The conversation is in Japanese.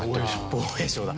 防衛省だ。